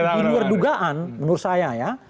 di luar dugaan menurut saya ya